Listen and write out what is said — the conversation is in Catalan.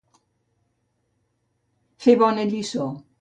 Fer bona lliçó.